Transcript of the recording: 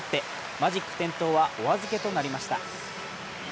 マジック点灯はお預けとなりました。